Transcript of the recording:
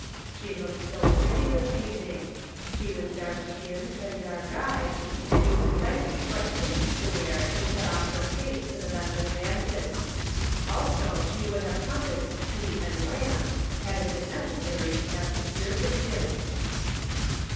She looked so pretty this evening; She was dark skinned and dark eyed, and knew precisely what tint to wear to set off her face to the best advantage ; also, she would have compassed sea and land, had it been necessary to have secured the tint.